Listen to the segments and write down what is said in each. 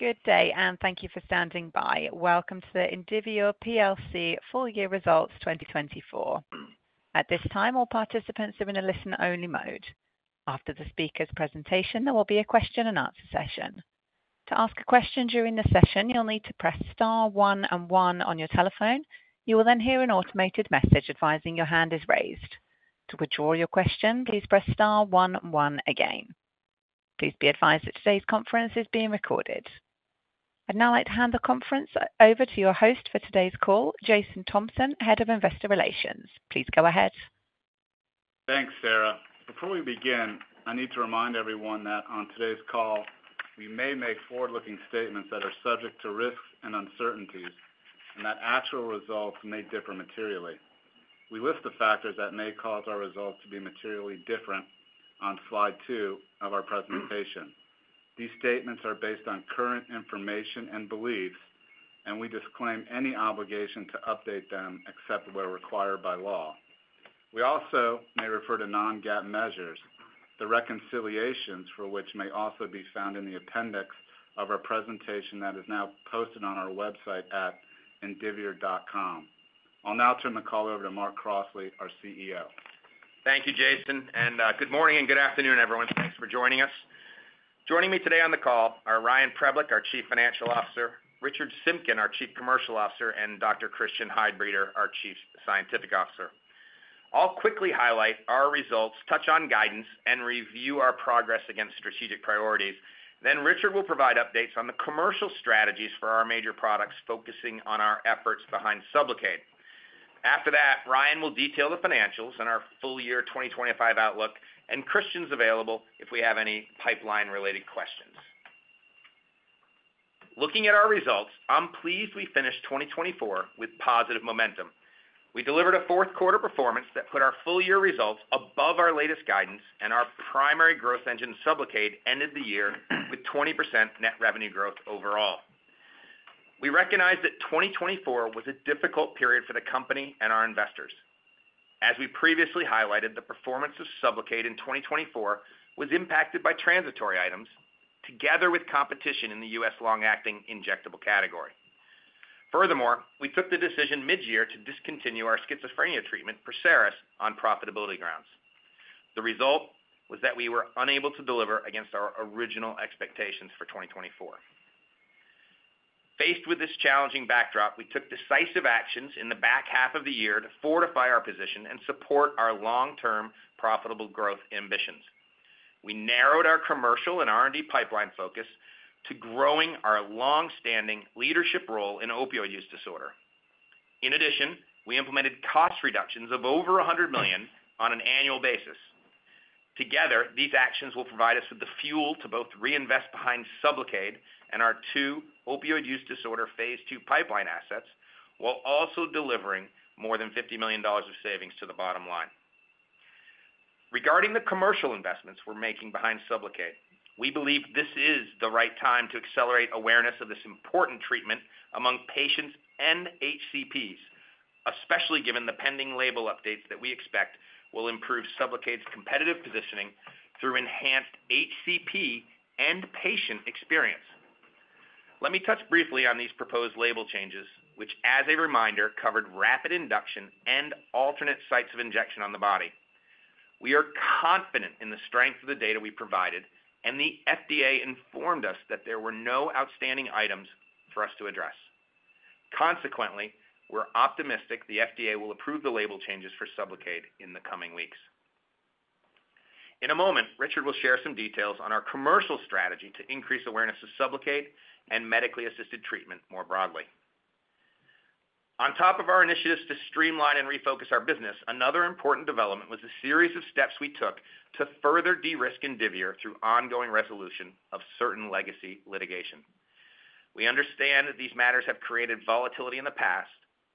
Good day, and thank you for standing by. Welcome to the Indivior PLC full year results 2024. At this time, all participants are in a listen-only mode. After the speaker's presentation, there will be a question-and-answer session. To ask a question during the session, you'll need to press star one and one on your telephone. You will then hear an automated message advising your hand is raised. To withdraw your question, please press star one and one again. Please be advised that today's conference is being recorded. I'd now like to hand the conference over to your host for today's call, Jason Thompson, Head of Investor Relations. Please go ahead. Thanks, Sarah. Before we begin, I need to remind everyone that on today's call, we may make forward-looking statements that are subject to risks and uncertainties, and that actual results may differ materially. We list the factors that may cause our results to be materially different on slide two of our presentation. These statements are based on current information and beliefs, and we disclaim any obligation to update them except where required by law. We also may refer to non-GAAP measures, the reconciliations for which may also be found in the appendix of our presentation that is now posted on our website at Indivior.com. I'll now turn the call over to Mark Crossley, our CEO. Thank you, Jason, and good morning and good afternoon, everyone. Thanks for joining us. Joining me today on the call are Ryan Preblick, our Chief Financial Officer, Richard Simkin, our Chief Commercial Officer, and Dr. Christian Heidbreder, our Chief Scientific Officer. I'll quickly highlight our results, touch on guidance, and review our progress against strategic priorities. Then Richard will provide updates on the commercial strategies for our major products, focusing on our efforts behind Sublocade. After that, Ryan will detail the financials and our full year 2025 outlook, and Christian's available if we have any pipeline-related questions. Looking at our results, I'm pleased we finished 2024 with positive momentum. We delivered a fourth-quarter performance that put our full year results above our latest guidance, and our primary growth engine, Sublocade, ended the year with 20% net revenue growth overall. We recognize that 2024 was a difficult period for the company and our investors. As we previously highlighted, the performance of Sublocade in 2024 was impacted by transitory items, together with competition in the U.S. long-acting injectable category. Furthermore, we took the decision mid-year to discontinue our schizophrenia treatment, PERSERIS, on profitability grounds. The result was that we were unable to deliver against our original expectations for 2024. Faced with this challenging backdrop, we took decisive actions in the back half of the year to fortify our position and support our long-term profitable growth ambitions. We narrowed our commercial and R&D pipeline focus to growing our long-standing leadership role in opioid use disorder. In addition, we implemented cost reductions of over $100 million on an annual basis. Together, these actions will provide us with the fuel to both reinvest behind Sublocade and our two opioid use disorder phase II pipeline assets, while also delivering more than $50 million of savings to the bottom line. Regarding the commercial investments we're making behind Sublocade, we believe this is the right time to accelerate awareness of this important treatment among patients and HCPs, especially given the pending label updates that we expect will improve Sublocade's competitive positioning through enhanced HCP and patient experience. Let me touch briefly on these proposed label changes, which, as a reminder, covered rapid induction and alternate sites of injection on the body. We are confident in the strength of the data we provided, and the FDA informed us that there were no outstanding items for us to address. Consequently, we're optimistic the FDA will approve the label changes for Sublocade in the coming weeks. In a moment, Richard will share some details on our commercial strategy to increase awareness of Sublocade and medically-assisted treatment more broadly. On top of our initiatives to streamline and refocus our business, another important development was the series of steps we took to further de-risk Indivior through ongoing resolution of certain legacy litigation. We understand that these matters have created volatility in the past,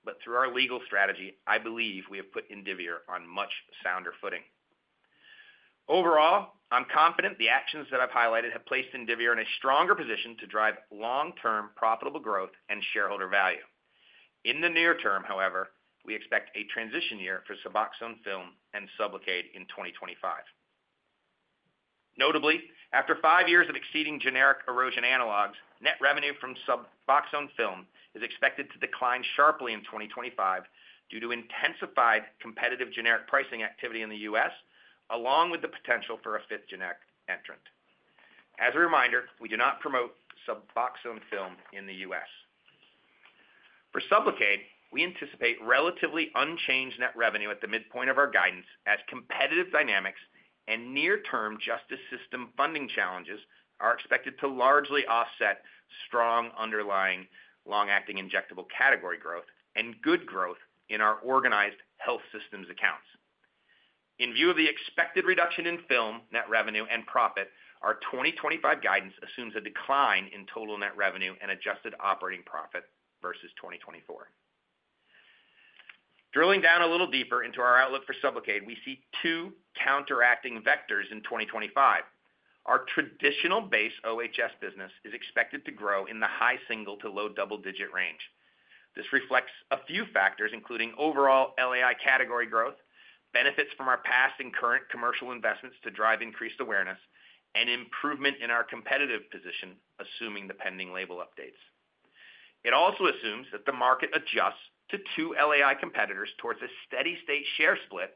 but through our legal strategy, I believe we have put Indivior on much sounder footing. Overall, I'm confident the actions that I've highlighted have placed Indivior in a stronger position to drive long-term profitable growth and shareholder value. In the near term, however, we expect a transition year for Suboxone Film and Sublocade in 2025. Notably, after five years of exceeding generic erosion analogs, net revenue from Suboxone Film is expected to decline sharply in 2025 due to intensified competitive generic pricing activity in the U.S., along with the potential for a fifth generic entrant. As a reminder, we do not promote Suboxone Film in the U.S. For Sublocade, we anticipate relatively unchanged net revenue at the midpoint of our guidance, as competitive dynamics and near-term justice system funding challenges are expected to largely offset strong underlying long-acting injectable category growth and good growth in our Organized Health Systems accounts. In view of the expected reduction in film net revenue and profit, our 2025 guidance assumes a decline in total net revenue and adjusted operating profit versus 2024. Drilling down a little deeper into our outlook for Sublocade, we see two counteracting vectors in 2025. Our traditional base OHS business is expected to grow in the high single- to low double-digit range. This reflects a few factors, including overall LAI category growth, benefits from our past and current commercial investments to drive increased awareness, and improvement in our competitive position, assuming the pending label updates. It also assumes that the market adjusts to two LAI competitors towards a steady-state share split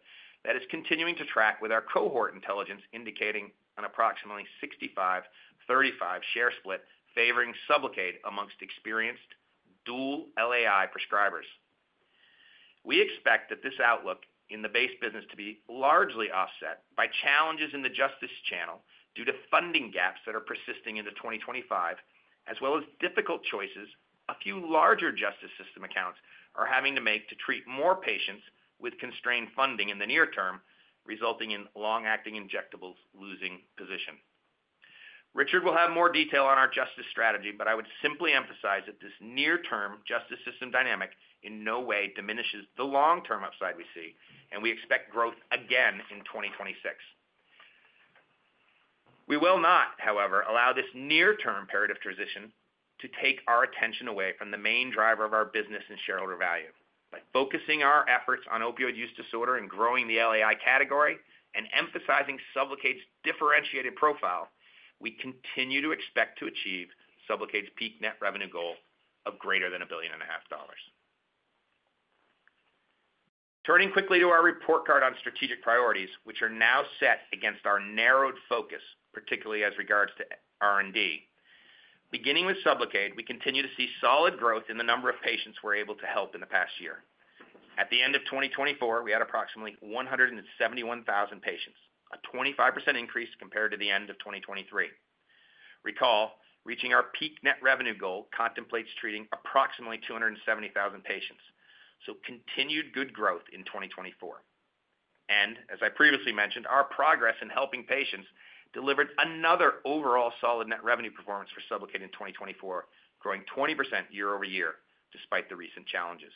that is continuing to track with our cohort intelligence, indicating an approximately 65-35 share split favoring Sublocade amongst experienced dual LAI prescribers. We expect that this outlook in the base business to be largely offset by challenges in the justice channel due to funding gaps that are persisting into 2025, as well as difficult choices a few larger justice system accounts are having to make to treat more patients with constrained funding in the near term, resulting in long-acting injectables losing position. Richard will have more detail on our justice strategy, but I would simply emphasize that this near-term justice system dynamic in no way diminishes the long-term upside we see, and we expect growth again in 2026. We will not, however, allow this near-term period of transition to take our attention away from the main driver of our business and shareholder value. By focusing our efforts on opioid use disorder and growing the LAI category and emphasizing Sublocade's differentiated profile, we continue to expect to achieve Sublocade's peak net revenue goal of greater than $1.5 billion. Turning quickly to our report card on strategic priorities, which are now set against our narrowed focus, particularly as regards to R&D. Beginning with Sublocade, we continue to see solid growth in the number of patients we're able to help in the past year. At the end of 2024, we had approximately 171,000 patients, a 25% increase compared to the end of 2023. Recall, reaching our peak net revenue goal contemplates treating approximately 270,000 patients, so continued good growth in 2024, and as I previously mentioned, our progress in helping patients delivered another overall solid net revenue performance for Sublocade in 2024, growing 20% year-over-year despite the recent challenges.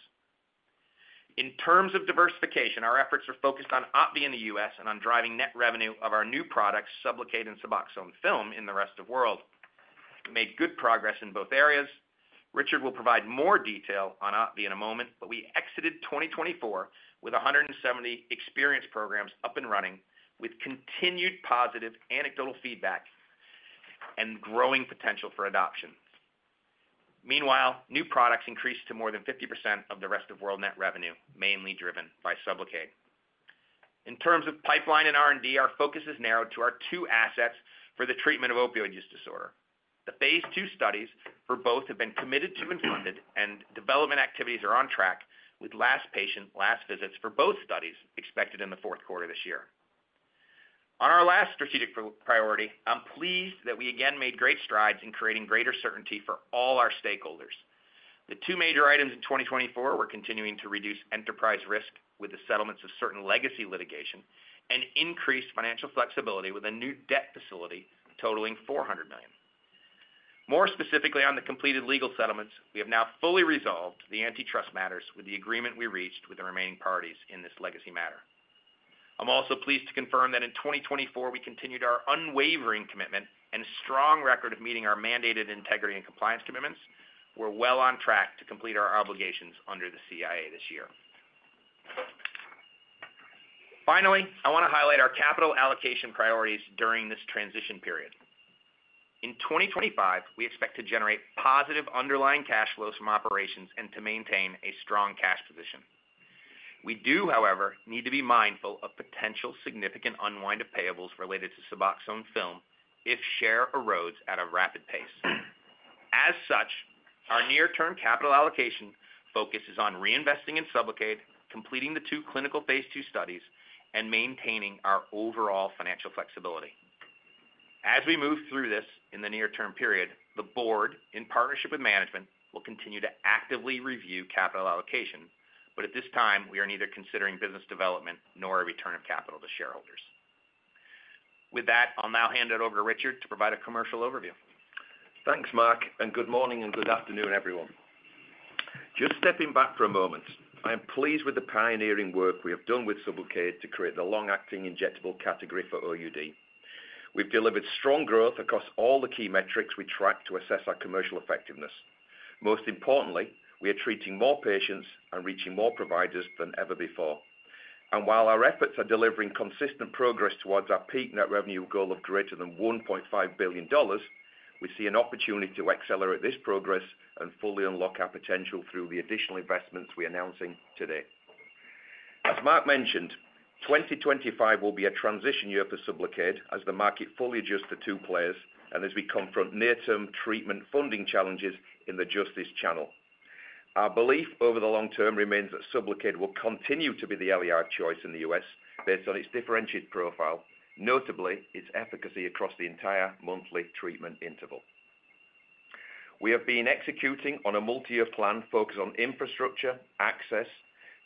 In terms of diversification, our efforts are focused on OPVEE in the U.S. and on driving net revenue of our new products, Sublocade and Suboxone Film, in the rest of the world. We made good progress in both areas. Richard will provide more detail on OPVEE in a moment, but we exited 2024 with 170 experienced programs up and running, with continued positive anecdotal feedback and growing potential for adoption. Meanwhile, new products increased to more than 50% of the rest of world net revenue, mainly driven by Sublocade. In terms of pipeline and R&D, our focus is narrowed to our two assets for the treatment of opioid use disorder. The phase II studies for both have been committed to and funded, and development activities are on track with Last Patient, Last Visit for both studies expected in the fourth quarter this year. On our last strategic priority, I'm pleased that we again made great strides in creating greater certainty for all our stakeholders. The two major items in 2024 were continuing to reduce enterprise risk with the settlements of certain legacy litigation and increased financial flexibility with a new debt facility totaling $400 million. More specifically on the completed legal settlements, we have now fully resolved the antitrust matters with the agreement we reached with the remaining parties in this legacy matter. I'm also pleased to confirm that in 2024, we continued our unwavering commitment and strong record of meeting our mandated integrity and compliance commitments. We're well on track to complete our obligations under the CIA this year. Finally, I want to highlight our capital allocation priorities during this transition period. In 2025, we expect to generate positive underlying cash flows from operations and to maintain a strong cash position. We do, however, need to be mindful of potential significant unwind of payables related to Suboxone Film if share erodes at a rapid pace. As such, our near-term capital allocation focus is on reinvesting in Sublocade, completing the two clinical phase II studies, and maintaining our overall financial flexibility. As we move through this in the near-term period, the board, in partnership with management, will continue to actively review capital allocation, but at this time, we are neither considering business development nor a return of capital to shareholders. With that, I'll now hand it over to Richard to provide a commercial overview. Thanks, Mark, and good morning and good afternoon, everyone. Just stepping back for a moment, I am pleased with the pioneering work we have done with Sublocade to create the long-acting injectable category for OUD. We've delivered strong growth across all the key metrics we track to assess our commercial effectiveness. Most importantly, we are treating more patients and reaching more providers than ever before. And while our efforts are delivering consistent progress towards our peak net revenue goal of greater than $1.5 billion, we see an opportunity to accelerate this progress and fully unlock our potential through the additional investments we're announcing today. As Mark mentioned, 2025 will be a transition year for Sublocade as the market fully adjusts to two players and as we confront near-term treatment funding challenges in the justice channel. Our belief over the long term remains that Sublocade will continue to be the LAI choice in the U.S. based on its differentiated profile, notably its efficacy across the entire monthly treatment interval. We have been executing on a multi-year plan focused on infrastructure, access,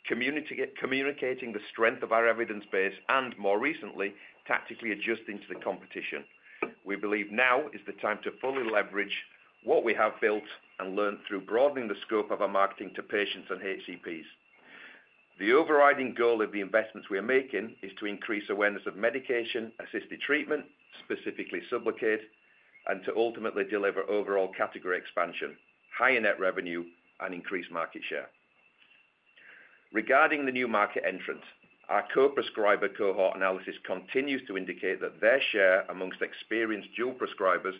communicating the strength of our evidence base, and more recently, tactically adjusting to the competition. We believe now is the time to fully leverage what we have built and learned through broadening the scope of our marketing to patients and HCPs. The overriding goal of the investments we are making is to increase awareness of medication-assisted treatment, specifically Sublocade, and to ultimately deliver overall category expansion, higher net revenue, and increased market share. Regarding the new market entrants, our co-prescriber cohort analysis continues to indicate that their share amongst experienced dual prescribers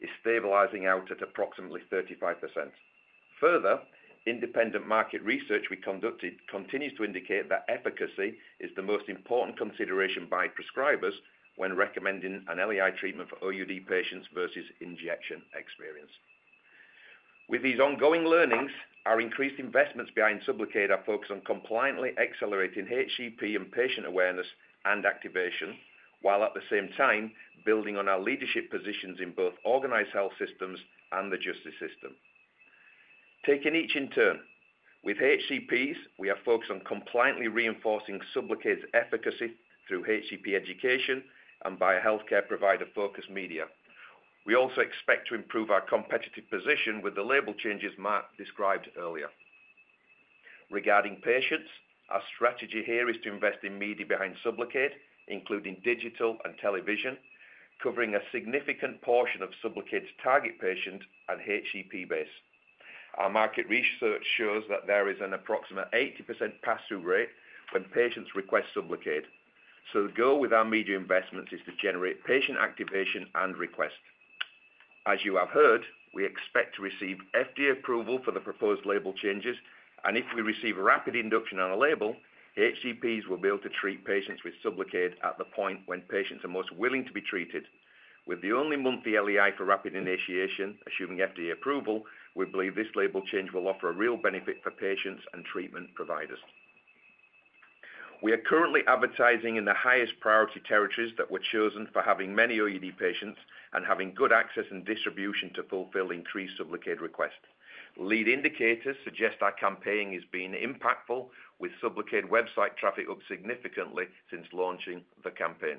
is stabilizing out at approximately 35%. Further, independent market research we conducted continues to indicate that efficacy is the most important consideration by prescribers when recommending an LAI treatment for OUD patients versus injection experience. With these ongoing learnings, our increased investments behind Sublocade are focused on compliantly accelerating HCP and patient awareness and activation, while at the same time building on our leadership positions in both Organized Health Systems and the Justice System. Taking each in turn, with HCPs, we are focused on compliantly reinforcing Sublocade's efficacy through HCP education and by a healthcare provider-focused media. We also expect to improve our competitive position with the label changes Mark described earlier. Regarding patients, our strategy here is to invest in media behind Sublocade, including digital and television, covering a significant portion of Sublocade's target patient and HCP base. Our market research shows that there is an approximate 80% pass-through rate when patients request Sublocade. The goal with our media investments is to generate patient activation and request. As you have heard, we expect to receive FDA approval for the proposed label changes, and if we receive a rapid initiation on a label, HCPs will be able to treat patients with Sublocade at the point when patients are most willing to be treated. With the only monthly LAI for rapid initiation, assuming FDA approval, we believe this label change will offer a real benefit for patients and treatment providers. We are currently advertising in the highest priority territories that were chosen for having many OUD patients and having good access and distribution to fulfill increased Sublocade requests. Lead indicators suggest our campaign is being impactful, with Sublocade website traffic up significantly since launching the campaign.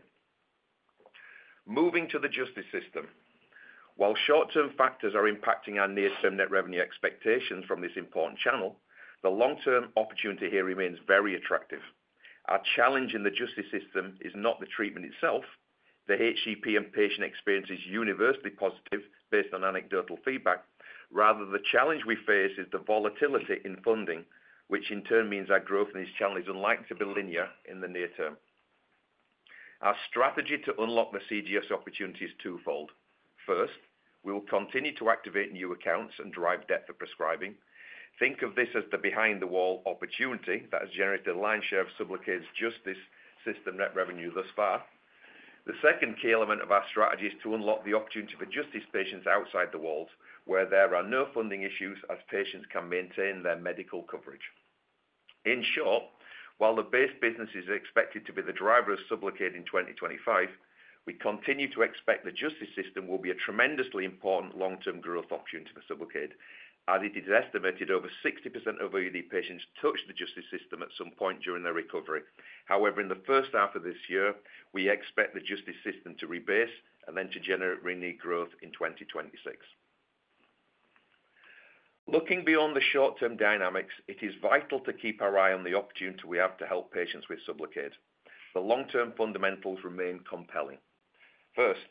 Moving to the justice system, while short-term factors are impacting our near-term net revenue expectations from this important channel, the long-term opportunity here remains very attractive. Our challenge in the justice system is not the treatment itself. The HCP and patient experience is universally positive based on anecdotal feedback. Rather, the challenge we face is the volatility in funding, which in turn means our growth in these channels is unlikely to be linear in the near term. Our strategy to unlock the CJS opportunity is twofold. First, we will continue to activate new accounts and drive depth of prescribing. Think of this as the behind-the-wall opportunity that has generated a lion's share of Sublocade's justice system net revenue thus far. The second key element of our strategy is to unlock the opportunity for justice patients outside the walls where there are no funding issues, as patients can maintain their medical coverage. In short, while the base business is expected to be the driver of Sublocade in 2025, we continue to expect the justice system will be a tremendously important long-term growth opportunity for Sublocade, as it is estimated over 60% of OUD patients touch the justice system at some point during their recovery. However, in the first half of this year, we expect the justice system to rebase and then to generate renewed growth in 2026. Looking beyond the short-term dynamics, it is vital to keep our eye on the opportunity we have to help patients with Sublocade. The long-term fundamentals remain compelling. First,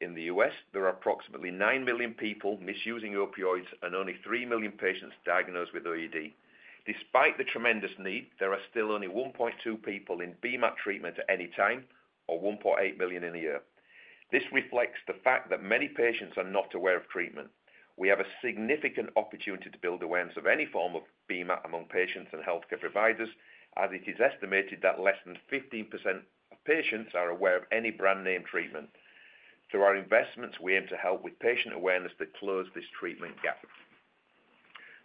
in the U.S., there are approximately nine million people misusing opioids and only three million patients diagnosed with OUD. Despite the tremendous need, there are still only 1.2 million people in BMAT treatment at any time, or 1.8 million in a year. This reflects the fact that many patients are not aware of treatment. We have a significant opportunity to build awareness of any form of BMAT among patients and healthcare providers, as it is estimated that less than 15% of patients are aware of any brand-name treatment. Through our investments, we aim to help with patient awareness to close this treatment gap.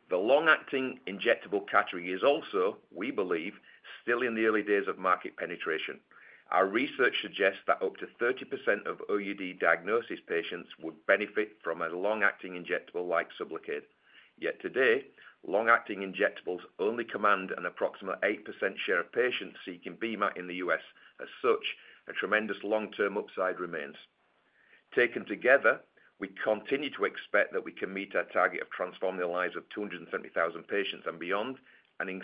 The long-acting injectable category is also, we believe, still in the early days of market penetration. Our research suggests that up to 30% of OUD diagnosis patients would benefit from a long-acting injectable like Sublocade. Yet today, long-acting injectables only command an approximate 8% share of patients seeking BMAT in the U.S. As such, a tremendous long-term upside remains. Taken together, we continue to expect that we can meet our target of transforming the lives of 270,000 patients and beyond, and in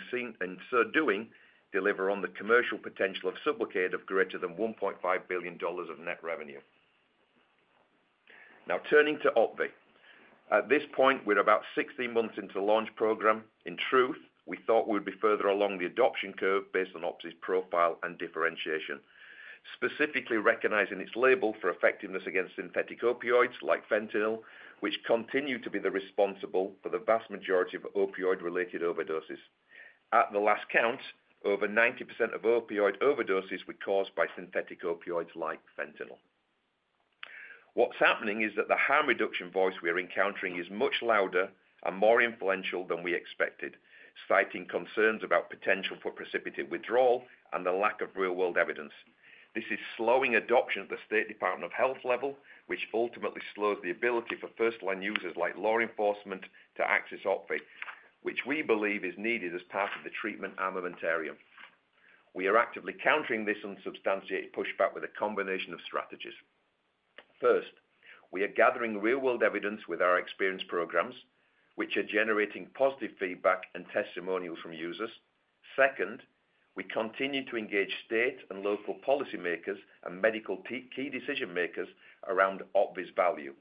so doing, deliver on the commercial potential of Sublocade of greater than $1.5 billion of net revenue. Now, turning to OPVEE. At this point, we're about 16 months into the launch program. In truth, we thought we would be further along the adoption curve based on OPVEE's profile and differentiation, specifically recognizing its label for effectiveness against synthetic opioids like fentanyl, which continue to be the responsible for the vast majority of opioid-related overdoses. At the last count, over 90% of opioid overdoses were caused by synthetic opioids like fentanyl. What's happening is that the harm reduction voice we are encountering is much louder and more influential than we expected, citing concerns about potential for precipitated withdrawal and the lack of real-world evidence. This is slowing adoption at the State Department of Health level, which ultimately slows the ability for first-line users like law enforcement to access OPVEE, which we believe is needed as part of the treatment armamentarium. We are actively countering this unsubstantiated pushback with a combination of strategies. First, we are gathering real-world evidence with our experience programs, which are generating positive feedback and testimonials from users. Second, we continue to engage state and local policymakers and medical key decision-makers around OPVEE's value.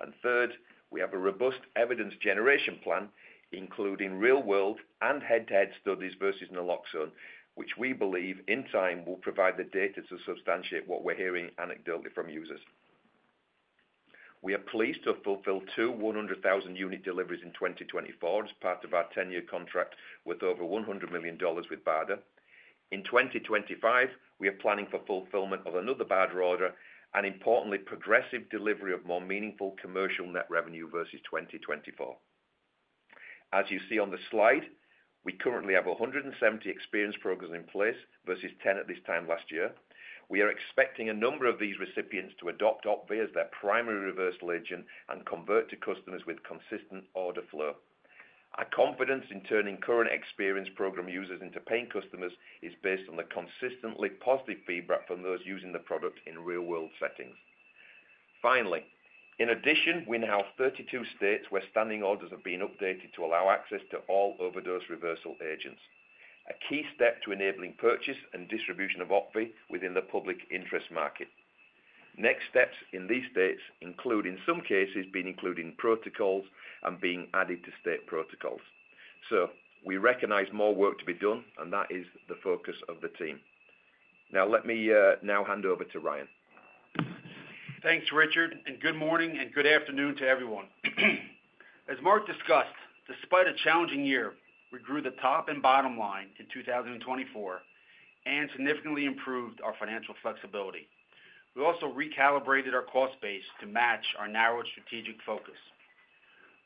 And third, we have a robust evidence generation plan, including real-world and head-to-head studies versus naloxone, which we believe in time will provide the data to substantiate what we're hearing anecdotally from users. We are pleased to have fulfilled two 100,000-unit deliveries in 2024 as part of our 10-year contract worth over $100 million with BARDA. In 2025, we are planning for fulfillment of another BARDA order and, importantly, progressive delivery of more meaningful commercial net revenue versus 2024. As you see on the slide, we currently have 170 experience programs in place versus 10 at this time last year. We are expecting a number of these recipients to adopt OPVEE as their primary reversal agent and convert to customers with consistent order flow. Our confidence in turning current experience program users into paying customers is based on the consistently positive feedback from those using the product in real-world settings. Finally, in addition, we now have 32 states where standing orders have been updated to allow access to all overdose reversal agents, a key step to enabling purchase and distribution of OPVEE within the public interest market. Next steps in these states, including some cases, being included in protocols and being added to state protocols, so we recognize more work to be done, and that is the focus of the team. Now, let me hand over to Ryan. Thanks, Richard, and good morning and good afternoon to everyone. As Mark discussed, despite a challenging year, we grew the top and bottom line in 2024 and significantly improved our financial flexibility. We also recalibrated our cost base to match our narrowed strategic focus.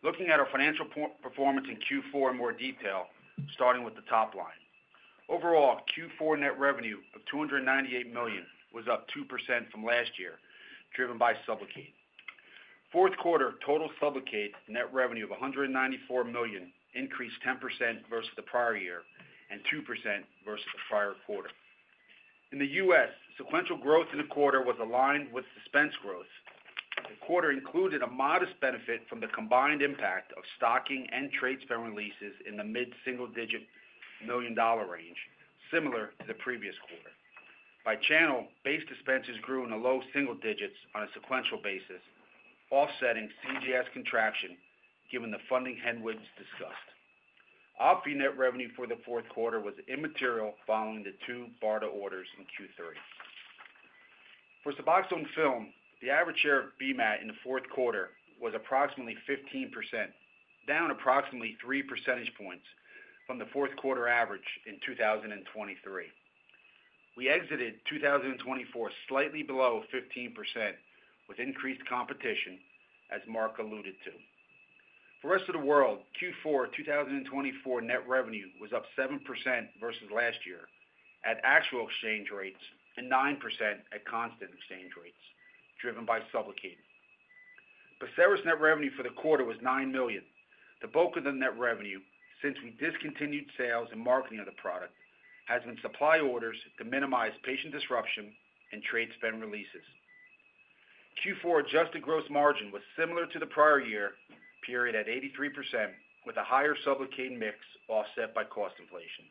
Looking at our financial performance in Q4 in more detail, starting with the top line. Overall, Q4 net revenue of $298 million was up 2% from last year, driven by Sublocade. Fourth quarter, total Sublocade net revenue of $194 million increased 10% versus the prior year and 2% versus the prior quarter. In the U.S., sequential growth in the quarter was aligned with Suboxone growth. The quarter included a modest benefit from the combined impact of stocking and trade share releases in the mid-single-digit million-dollar range, similar to the previous quarter. By channel, base dispensers grew in the low single digits on a sequential basis, offsetting CJS contraction given the funding headwinds discussed. OPVEE net revenue for the fourth quarter was immaterial following the two BARDA orders in Q3. For Suboxone Film, the average share of BMAT in the fourth quarter was approximately 15%, down approximately 3 percentage points from the fourth quarter average in 2023. We exited 2024 slightly below 15% with increased competition, as Mark alluded to. For the rest of the world, Q4 2024 net revenue was up 7% versus last year at actual exchange rates and 9% at constant exchange rates, driven by Sublocade. PERSERIS net revenue for the quarter was $9 million. The bulk of the net revenue, since we discontinued sales and marketing of the product, has been supply orders to minimize patient disruption and trade spend releases. Q4 adjusted gross margin was similar to the prior year, period at 83%, with a higher Sublocade mix, offset by cost inflation.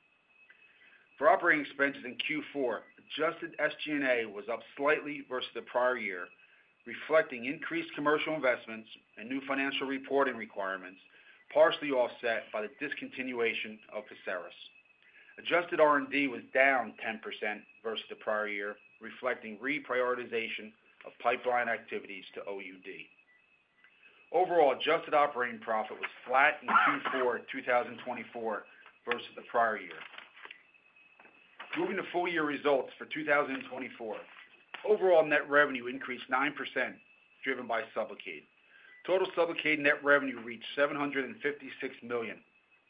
For operating expenses in Q4, adjusted SG&A was up slightly versus the prior year, reflecting increased commercial investments and new financial reporting requirements, partially offset by the discontinuation of PERSERIS. Adjusted R&D was down 10% versus the prior year, reflecting reprioritization of pipeline activities to OUD. Overall, adjusted operating profit was flat in Q4 2024 versus the prior year. Moving to full-year results for 2024, overall net revenue increased 9%, driven by Sublocade. Total Sublocade net revenue reached $756 million,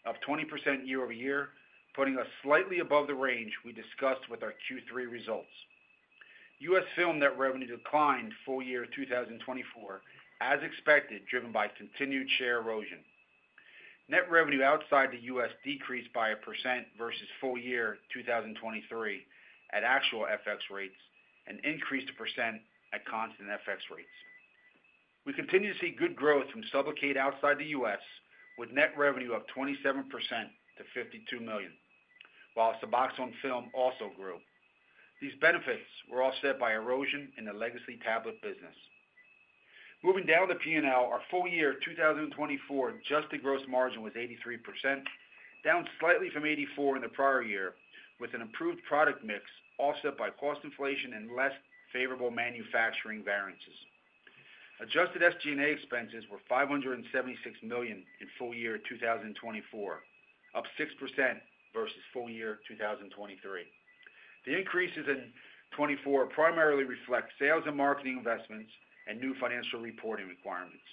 up 20% year-over-year, putting us slightly above the range we discussed with our Q3 results. U.S. film net revenue declined full year 2024, as expected, driven by continued share erosion. Net revenue outside the U.S. decreased by a percent versus full year 2023 at actual FX rates and increased a percent at constant FX rates. We continue to see good growth from Sublocade outside the U.S., with net revenue up 27% to $52 million, while Suboxone Film also grew. These benefits were offset by erosion in the legacy tablet business. Moving down the P&L, our full year 2024 adjusted gross margin was 83%, down slightly from 84% in the prior year, with an improved product mix, offset by cost inflation and less favorable manufacturing variances. Adjusted SG&A expenses were $576 million in full year 2024, up 6% versus full year 2023. The increases in '24 primarily reflect sales and marketing investments and new financial reporting requirements.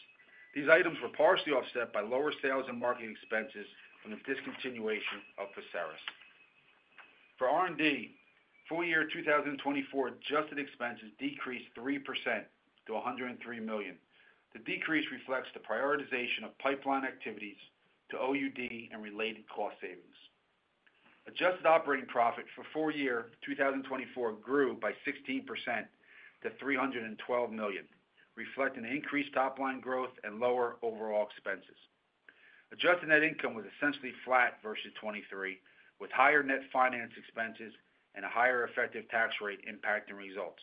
These items were partially offset by lower sales and marketing expenses from the discontinuation of PERSERIS. For R&D, full year 2024 adjusted expenses decreased 3% to $103 million. The decrease reflects the prioritization of pipeline activities to OUD and related cost savings. Adjusted operating profit for full year 2024 grew by 16% to $312 million, reflecting increased top-line growth and lower overall expenses. Adjusted net income was essentially flat versus 2023, with higher net finance expenses and a higher effective tax rate impacting results.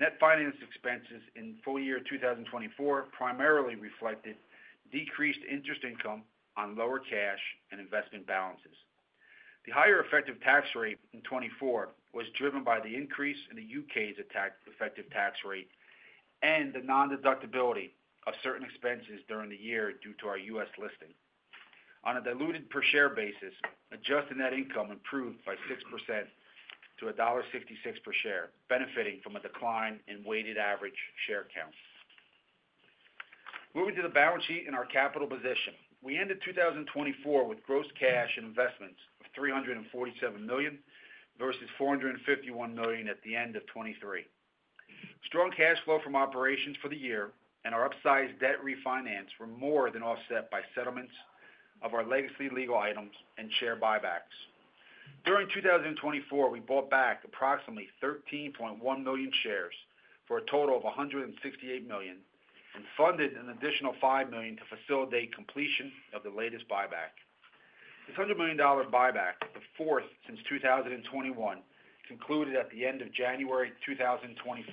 Net finance expenses in full year 2024 primarily reflected decreased interest income on lower cash and investment balances. The higher effective tax rate in 2024 was driven by the increase in the U.K.'s effective tax rate and the non-deductibility of certain expenses during the year due to our U.S. listing. On a diluted per-share basis, adjusted net income improved by 6% to $1.66 per share, benefiting from a decline in weighted average share count. Moving to the balance sheet and our capital position. We ended 2024 with gross cash and investments of $347 million versus $451 million at the end of 2023. Strong cash flow from operations for the year and our upsized debt refinance were more than offset by settlements of our legacy legal items and share buybacks. During 2024, we bought back approximately 13.1 million shares for a total of $168 million and funded an additional $5 million to facilitate completion of the latest buyback. This $100 million buyback, the fourth since 2021, concluded at the end of January 2025.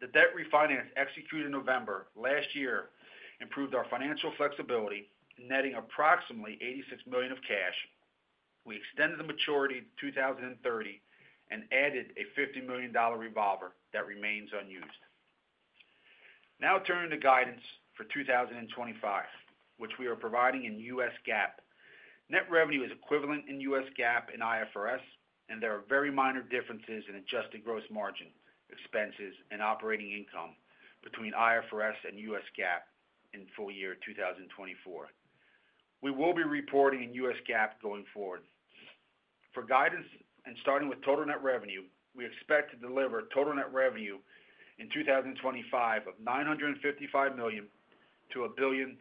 The debt refinance executed in November last year improved our financial flexibility, netting approximately $86 million of cash. We extended the maturity to 2030 and added a $50 million revolver that remains unused. Now, turning to guidance for 2025, which we are providing in U.S. GAAP. Net revenue is equivalent in U.S. GAAP and IFRS, and there are very minor differences in adjusted gross margin, expenses, and operating income between IFRS and U.S. GAAP in full year 2024. We will be reporting in U.S. GAAP going forward. For guidance and starting with total net revenue, we expect to deliver total net revenue in 2025 of $955 million to $1.025 billion.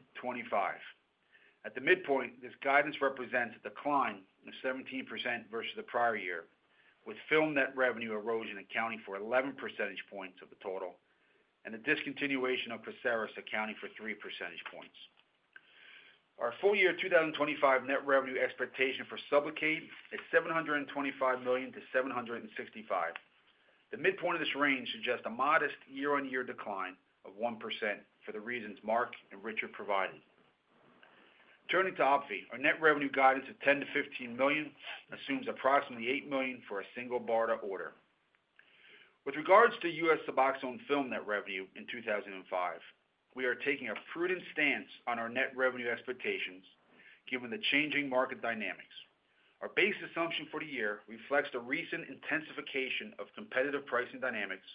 At the midpoint, this guidance represents a decline of 17% versus the prior year, with film net revenue erosion accounting for 11 percentage points of the total and the discontinuation of PERSERIS accounting for 3 percentage points. Our full year 2025 net revenue expectation for Sublocade is $725 million to $765 million. The midpoint of this range suggests a modest year-on-year decline of 1% for the reasons Mark and Richard provided. Turning to OPVEE, our net revenue guidance of $10-$15 million assumes approximately $8 million for a single BARDA order. With regards to U.S. Suboxone Film net revenue in 2025, we are taking a prudent stance on our net revenue expectations given the changing market dynamics. Our base assumption for the year reflects the recent intensification of competitive pricing dynamics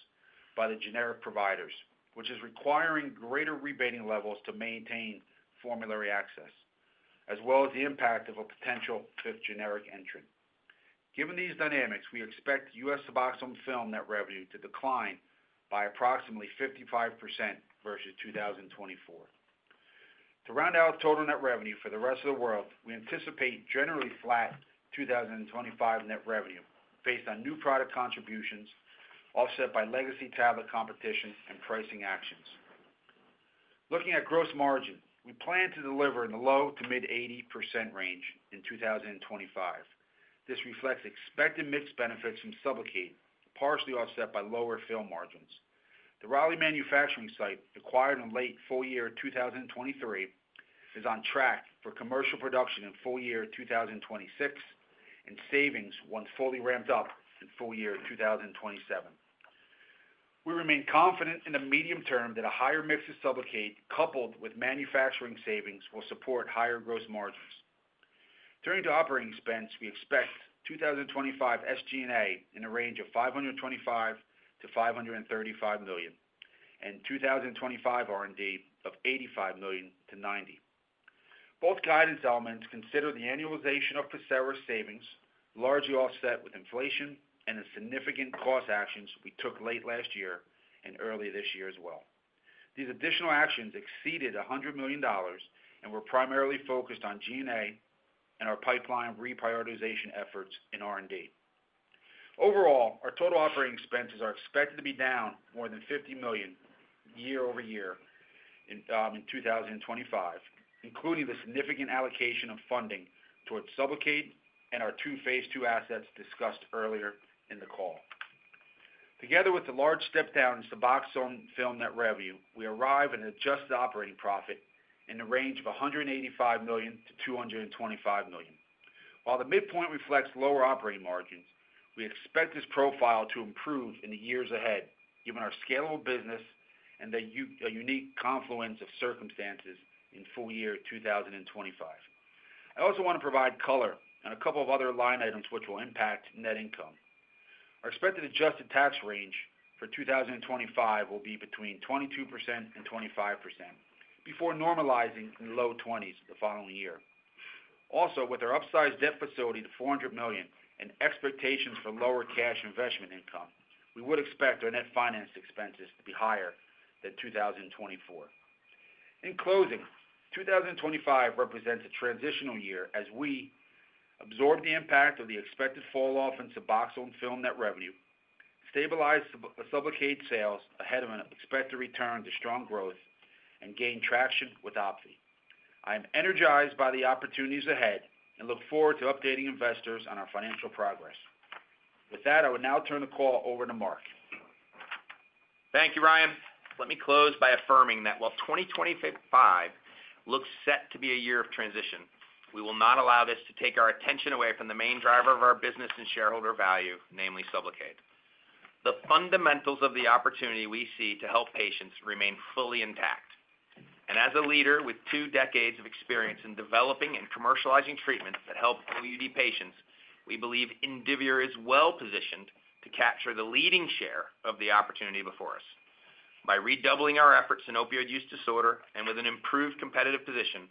by the generic providers, which is requiring greater rebating levels to maintain formulary access, as well as the impact of a potential fifth generic entrant. Given these dynamics, we expect U.S. Suboxone Film net revenue to decline by approximately 55% versus 2024. To round out total net revenue for the rest of the world, we anticipate generally flat 2025 net revenue based on new product contributions offset by legacy tablet competition and pricing actions. Looking at gross margin, we plan to deliver in the low to mid-80% range in 2025. This reflects expected mixed benefits from Sublocade, partially offset by lower film margins. The Raleigh Manufacturing Site, acquired in late full year 2023, is on track for commercial production in full year 2026, and savings once fully ramped up in full year 2027. We remain confident in the medium term that a higher mix of Sublocade coupled with manufacturing savings will support higher gross margins. Turning to operating expense, we expect 2025 SG&A in a range of $525-$535 million and 2025 R&D of $85-$90 million. Both guidance elements consider the annualization of PERSERIS savings, largely offset with inflation and the significant cost actions we took late last year and early this year as well. These additional actions exceeded $100 million and were primarily focused on G&A and our pipeline reprioritization efforts in R&D. Overall, our total operating expenses are expected to be down more than $50 million year-over-year in 2025, including the significant allocation of funding towards Sublocade and our two phase II assets discussed earlier in the call. Together with the large step down in Suboxone Film net revenue, we arrive at an adjusted operating profit in the range of $185 million-$225 million. While the midpoint reflects lower operating margins, we expect this profile to improve in the years ahead, given our scalable business and the unique confluence of circumstances in full year 2025. I also want to provide color on a couple of other line items which will impact net income. Our expected adjusted tax range for 2025 will be between 22% and 25% before normalizing in the low 20s the following year. Also, with our upsized debt facility to $400 million and expectations for lower cash investment income, we would expect our net finance expenses to be higher than 2024. In closing, 2025 represents a transitional year as we absorb the impact of the expected falloff in Suboxone Film net revenue, stabilize Sublocade sales ahead of an expected return to strong growth, and gain traction with OPVEE. I am energized by the opportunities ahead and look forward to updating investors on our financial progress. With that, I would now turn the call over to Mark. Thank you, Ryan. Let me close by affirming that while 2025 looks set to be a year of transition, we will not allow this to take our attention away from the main driver of our business and shareholder value, namely Sublocade. The fundamentals of the opportunity we see to help patients remain fully intact. And as a leader with two decades of experience in developing and commercializing treatments that help OUD patients, we believe Indivior is well positioned to capture the leading share of the opportunity before us. By redoubling our efforts in opioid use disorder and with an improved competitive position,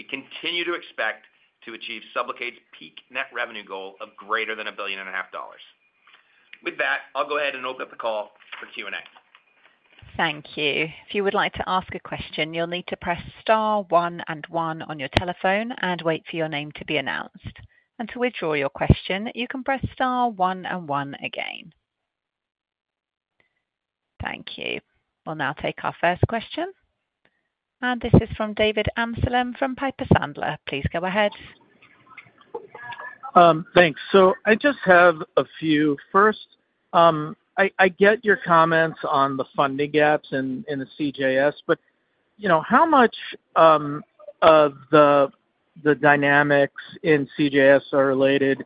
we continue to expect to achieve Sublocade's peak net revenue goal of greater than $1.5 billion. With that, I'll go ahead and open up the call for Q&A. Thank you. If you would like to ask a question, you'll need to press star one and one on your telephone and wait for your name to be announced. Until we draw your question, you can press star one and one again. Thank you. We'll now take our first question. And this is from David Amsellem from Piper Sandler. Please go ahead. Thanks. So I just have a few. First, I get your comments on the funding gaps in the CJS, but how much of the dynamics in CJS are related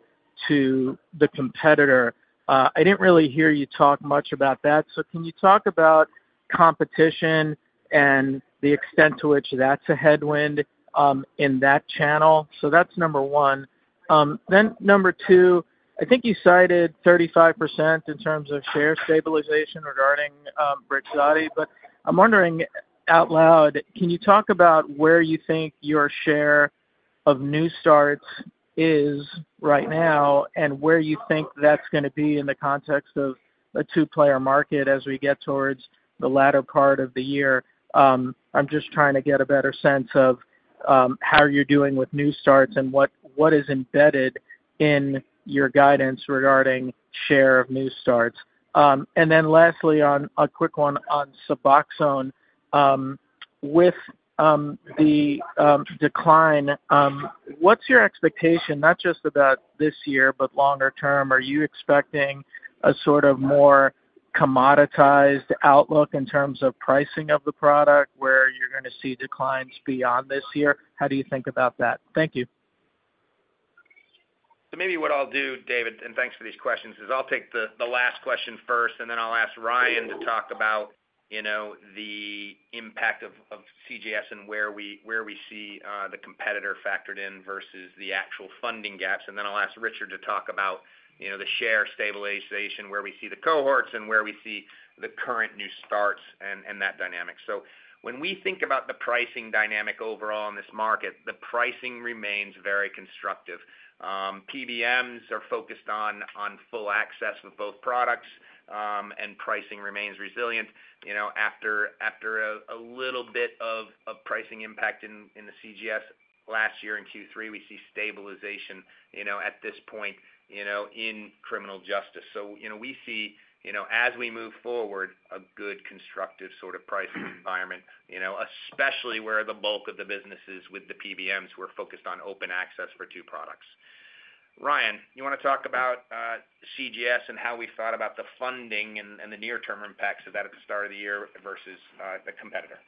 to the competitor? I didn't really hear you talk much about that. So can you talk about competition and the extent to which that's a headwind in that channel? So that's number one. Then number two, I think you cited 35% in terms of share stabilization regarding Brixadi, but I'm wondering out loud, can you talk about where you think your share of New Starts is right now and where you think that's going to be in the context of a two-player market as we get towards the latter part of the year? I'm just trying to get a better sense of how you're doing with New Starts and what is embedded in your guidance regarding share of New Starts. And then lastly, a quick one on Suboxone. With the decline, what's your expectation, not just about this year, but longer term? Are you expecting a sort of more commoditized outlook in terms of pricing of the product where you're going to see declines beyond this year? How do you think about that? Thank you. So maybe what I'll do, David, and thanks for these questions, is I'll take the last question first, and then I'll ask Ryan to talk about the impact of CJS and where we see the competitor factored in versus the actual funding gaps and then I'll ask Richard to talk about the share stabilization, where we see the cohorts and where we see the current New Starts and that dynamic so when we think about the pricing dynamic overall in this market, the pricing remains very constructive. PBMs are focused on full access with both products, and pricing remains resilient. After a little bit of pricing impact in the CJS last year in Q3, we see stabilization at this point in criminal justice. So we see, as we move forward, a good constructive sort of pricing environment, especially where the bulk of the businesses with the PBMs were focused on open access for two products. Ryan, you want to talk about CJS and how we thought about the funding and the near-term impacts of that at the start of the year versus the competitor?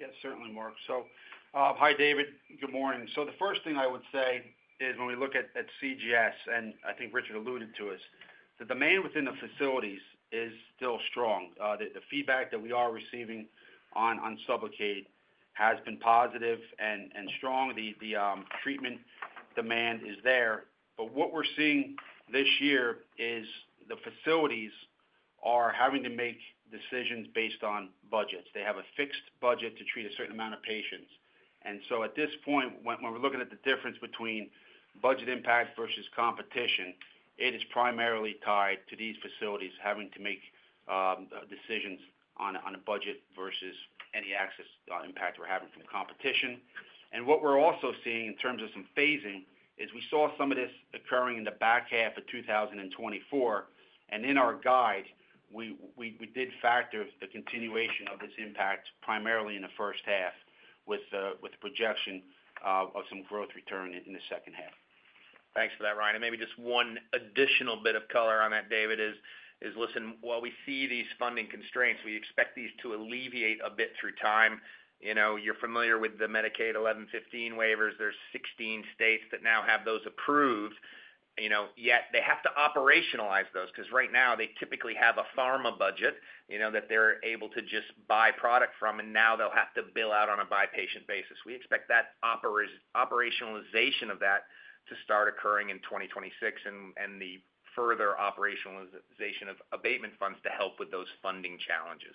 Yes, certainly, Mark. So hi, David. Good morning. So the first thing I would say is when we look at CJS, and I think Richard alluded to this, the demand within the facilities is still strong. The feedback that we are receiving on Sublocade has been positive and strong. The treatment demand is there. But what we're seeing this year is the facilities are having to make decisions based on budgets. They have a fixed budget to treat a certain amount of patients. And so at this point, when we're looking at the difference between budget impact versus competition, it is primarily tied to these facilities having to make decisions on a budget versus any access impact we're having from competition. And what we're also seeing in terms of some phasing is we saw some of this occurring in the back half of 2024. In our guide, we did factor the continuation of this impact primarily in the first half with the projection of some growth return in the second half. Thanks for that, Ryan. And maybe just one additional bit of color on that, David, is listen, while we see these funding constraints, we expect these to alleviate a bit through time. You're familiar with the Medicaid 1115 waivers. There's 16 states that now have those approved. Yet they have to operationalize those because right now they typically have a pharma budget that they're able to just buy product from, and now they'll have to bill out on a by-patient basis. We expect that operationalization of that to start occurring in 2026 and the further operationalization of abatement funds to help with those funding challenges.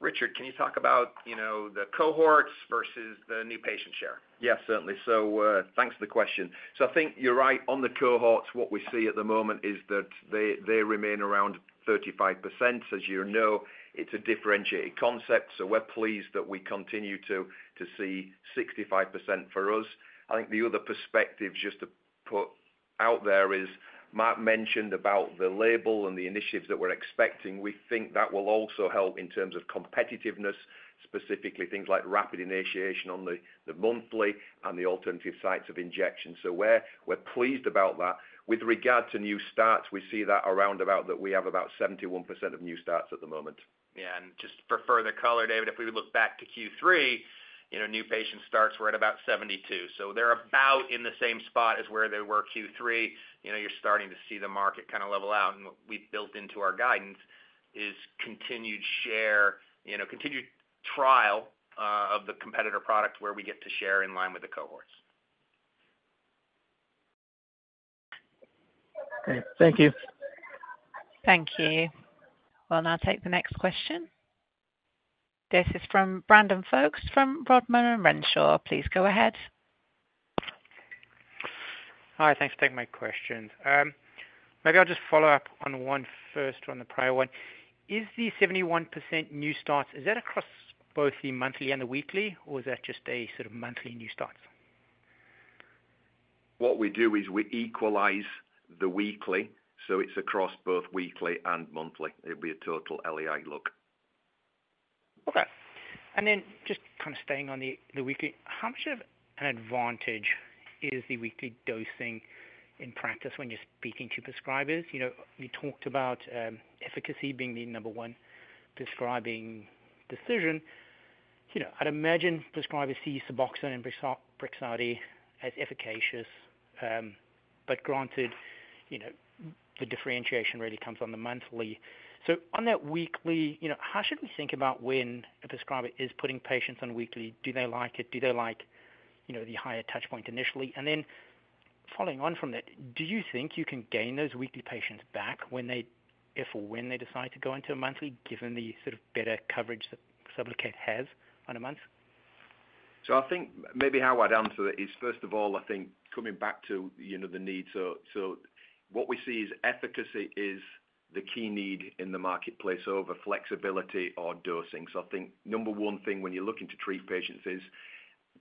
Richard, can you talk about the cohorts versus the new patient share? Yes, certainly. So thanks for the question. So I think you're right on the cohorts. What we see at the moment is that they remain around 35%. As you know, it's a differentiated concept. So we're pleased that we continue to see 65% for us. I think the other perspective just to put out there is Mark mentioned about the label and the initiatives that we're expecting. We think that will also help in terms of competitiveness, specifically things like rapid initiation on the monthly and the alternative sites of injection. So we're pleased about that. With regard to New Starts, we see that around about that we have about 71% of New Starts at the moment. Yeah, and just for further color, David, if we look back to Q3, new patient starts were at about 72. So they're about in the same spot as where they were Q3. You're starting to see the market kind of level out, and what we've built into our guidance is continued trial of the competitor product where we get to share in line with the cohorts. Okay. Thank you. Thank you. We'll now take the next question. This is from Brandon Folkes from Rodman & Renshaw. Please go ahead. Hi. Thanks for taking my questions. Maybe I'll just follow up on one first on the prior one. Is the 71% New Starts, is that across both the monthly and the weekly, or is that just a sort of monthly New Starts? What we do is we equalize the weekly. So it's across both weekly and monthly. It'd be a total LAI look. Okay. And then just kind of staying on the weekly, how much of an advantage is the weekly dosing in practice when you're speaking to prescribers? You talked about efficacy being the number one prescribing decision. I'd imagine prescribers see Suboxone and Brixadi as efficacious. But granted, the differentiation really comes on the monthly. So on that weekly, how should we think about when a prescriber is putting patients on weekly? Do they like it? Do they like the higher touchpoint initially? And then following on from that, do you think you can gain those weekly patients back if or when they decide to go into a monthly, given the sort of better coverage that Sublocade has on a month? I think maybe how I'd answer that is, first of all, I think coming back to the need. What we see is efficacy is the key need in the marketplace over flexibility or dosing. I think number one thing when you're looking to treat patients is,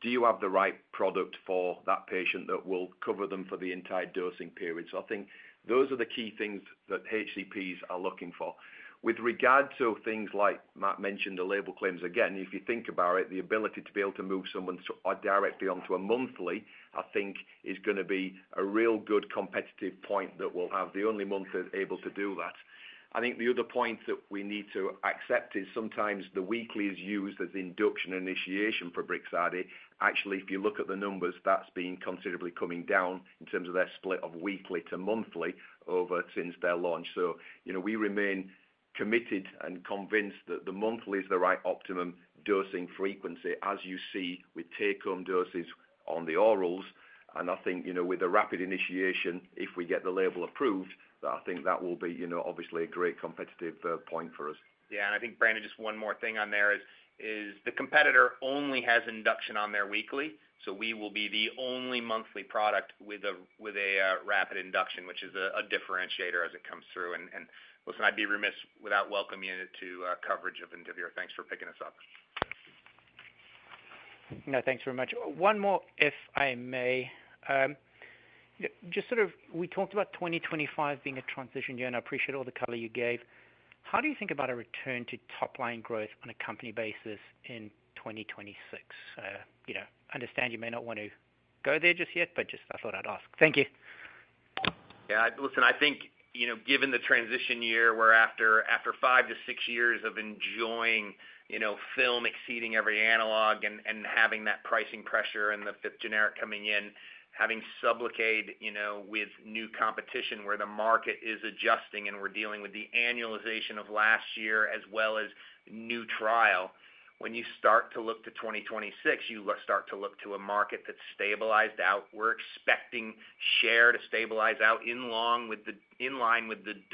do you have the right product for that patient that will cover them for the entire dosing period? I think those are the key things that HCPs are looking for. With regard to things like Mark mentioned, the label claims, again, if you think about it, the ability to be able to move someone directly onto a monthly, I think, is going to be a real good competitive point that we'll have the only monthly able to do that. I think the other point that we need to accept is sometimes the weekly is used as induction initiation for Brixadi. Actually, if you look at the numbers, that's been considerably coming down in terms of their split of weekly to monthly over since their launch. So we remain committed and convinced that the monthly is the right optimum dosing frequency, as you see with take-home doses on the orals. And I think with the rapid initiation, if we get the label approved, I think that will be obviously a great competitive point for us. Yeah. And I think, Brandon, just one more thing on there is the competitor only has induction on their weekly. So we will be the only monthly product with a rapid induction, which is a differentiator as it comes through. And listen, I'd be remiss without welcoming you to coverage of Indivior. Thanks for picking us up. No, thanks very much. One more, if I may. Just sort of we talked about 2025 being a transition year, and I appreciate all the color you gave. How do you think about a return to top-line growth on a company basis in 2026? I understand you may not want to go there just yet, but just I thought I'd ask. Thank you. Yeah. Listen, I think given the transition year we're after, after five to six years of enjoying film exceeding every analog and having that pricing pressure and the fifth generic coming in, having Sublocade with new competition where the market is adjusting and we're dealing with the annualization of last year as well as new trial. When you start to look to 2026, you start to look to a market that's stabilized out. We're expecting share to stabilize out in line with the experienced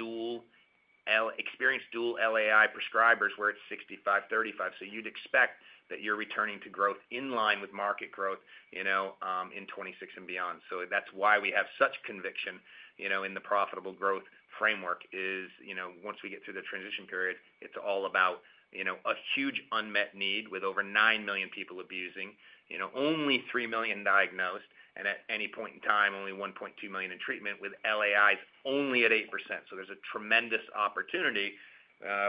dual LAI prescribers where it's 65/35. So you'd expect that you're returning to growth in line with market growth in 2026 and beyond. So that's why we have such conviction in the profitable growth framework. It's once we get through the transition period. It's all about a huge unmet need with over 9 million people abusing, only 3 million diagnosed, and at any point in time, only 1.2 million in treatment with LAIs only at 8%. So there's a tremendous opportunity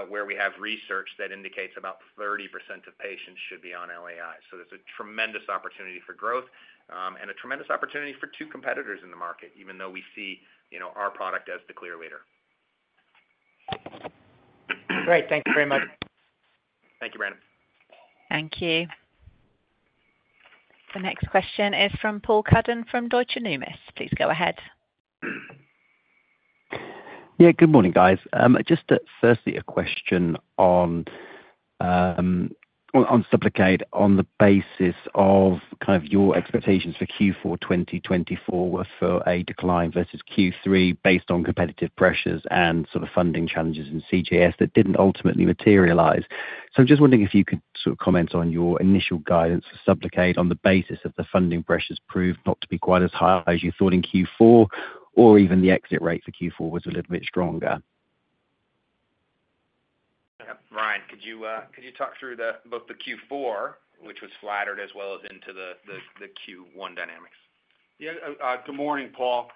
where we have research that indicates about 30% of patients should be on LAIs. So there's a tremendous opportunity for growth and a tremendous opportunity for two competitors in the market, even though we see our product as the clear leader. Great. Thank you very much. Thank you, Brandon. Thank you. The next question is from Paul Cuddon from Deutsche Numis. Please go ahead. Yeah. Good morning, guys. Just firstly, a question on Sublocade on the basis of kind of your expectations for Q4 2024 were for a decline versus Q3 based on competitive pressures and sort of funding challenges in CJS that didn't ultimately materialize. So I'm just wondering if you could sort of comment on your initial guidance for Sublocade on the basis of the funding pressures proved not to be quite as high as you thought in Q4, or even the exit rate for Q4 was a little bit stronger. Yep. Ryan, could you talk through both the Q4, which was flattered, as well as into the Q1 dynamics? Yeah. Good morning, Paul.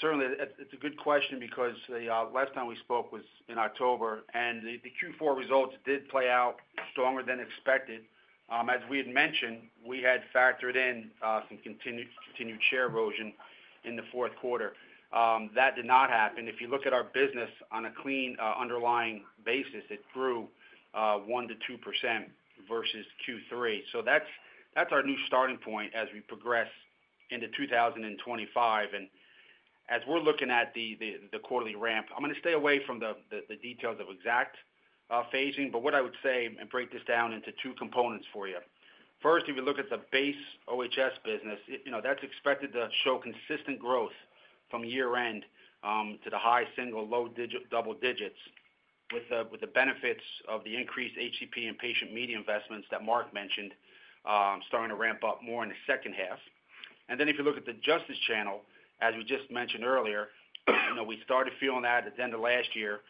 Certainly, it's a good question because the last time we spoke was in October, and the Q4 results did play out stronger than expected. As we had mentioned, we had factored in some continued share erosion in the fourth quarter. That did not happen. If you look at our business on a clean underlying basis, it grew 1%-2% versus Q3. So that's our new starting point as we progress into 2025. And as we're looking at the quarterly ramp, I'm going to stay away from the details of exact phasing, but what I would say and break this down into two components for you. First, if you look at the base OHS business, that's expected to show consistent growth from year-end to the high single, low double digits with the benefits of the increased HCP and patient media investments that Mark mentioned starting to ramp up more in the second half. And then if you look at the justice channel, as we just mentioned earlier, we started feeling that at the end of last year.